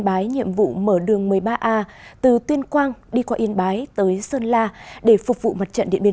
bái nhiệm vụ mở đường một mươi ba a từ tuyên quang đi qua yên bái tới sơn la để phục vụ mặt trận điện biên